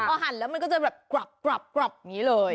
พอหั่นแล้วมันก็จะแบบกรอบอย่างนี้เลย